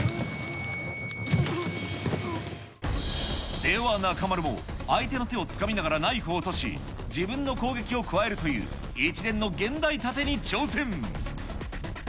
では中丸も、相手の手をつかみながらナイフを落とし、自分の攻撃を加えるという、一連の現代タテに挑戦。